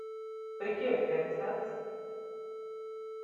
“Pri kio vi pensas?”